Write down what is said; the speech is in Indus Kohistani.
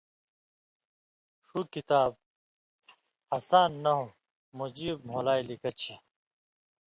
ݜُو کتاب ہَسان نحوۡ مجیب مھولائے لِکہ چھئ